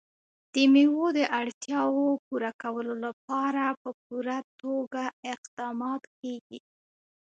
د مېوو د اړتیاوو پوره کولو لپاره په پوره توګه اقدامات کېږي.